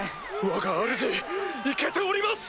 わがあるじイケております！